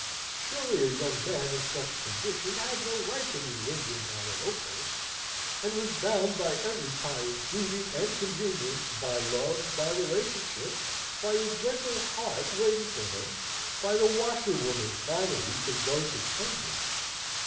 Surely a young man in such a condition had no right to be lingering on at Oakhurst, and was bound by every tie of duty and convenience, by love, by relationship, by a gentle heart waiting for him, by the washerwoman finally, to go to Tunbridge.